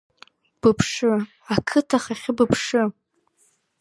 Быԥшы, ақыҭа ахахьы быԥшы!